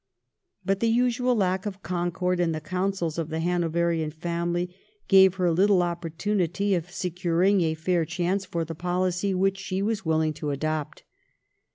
But the usual lack of concord in the councils of the Hanoverian family gave her Uttle opportunity of securing a fair chance for the policy which she was willing to adopt.